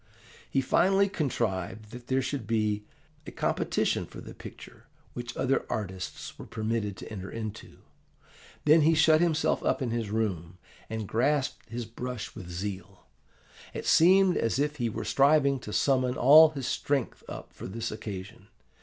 He finally contrived that there should be a competition for the picture which other artists were permitted to enter into. Then he shut himself up in his room, and grasped his brush with zeal. It seemed as if he were striving to summon all his strength up for this occasion.